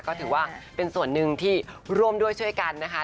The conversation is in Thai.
ก็ถือว่าเป็นส่วนหนึ่งที่ร่วมด้วยช่วยกันนะคะ